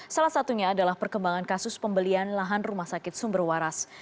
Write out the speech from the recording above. salah satunya adalah perkembangan kasus pembelian lahan rumah sakit sumber waras